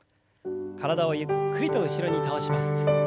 体をゆっくりと後ろに倒します。